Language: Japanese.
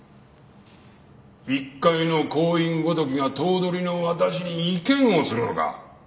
一介の行員ごときが頭取の私に意見をするのか？